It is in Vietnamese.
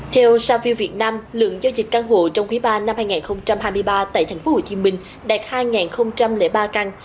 theo saview việt nam lượng giao dịch căn hộ trong quý ba năm hai nghìn hai mươi ba tại tp hcm đạt hai ba căn